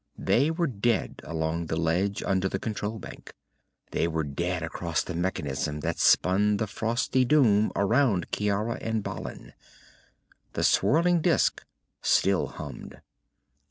They were dead along the ledge, under the control bank. They were dead across the mechanism that spun the frosty doom around Ciara and Balin. The whirling disc still hummed.